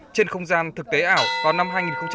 trên không gian thực tế ảo vào năm hai nghìn hai mươi